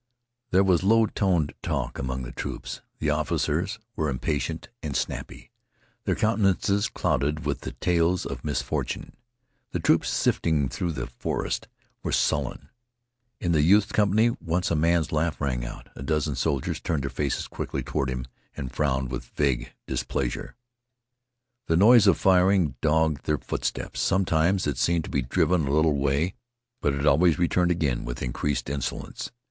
There was low toned talk among the troops. The officers were impatient and snappy, their countenances clouded with the tales of misfortune. The troops, sifting through the forest, were sullen. In the youth's company once a man's laugh rang out. A dozen soldiers turned their faces quickly toward him and frowned with vague displeasure. The noise of firing dogged their footsteps. Sometimes, it seemed to be driven a little way, but it always returned again with increased insolence.